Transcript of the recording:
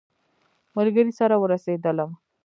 ملګري سره ورسېدلم.